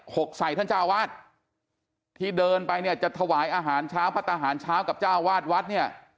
กใส่ท่านเจ้าวาดที่เดินไปเนี่ยจะถวายอาหารเช้าพระทหารเช้ากับเจ้าวาดวัดเนี่ย